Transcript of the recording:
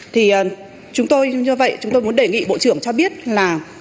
thì chúng tôi như vậy chúng tôi muốn đề nghị bộ trưởng cho biết là